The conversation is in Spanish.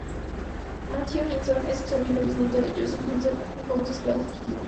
Matthew Henson es el sobrino bisnieto de Josiah Henson, un famoso esclavo fugitivo.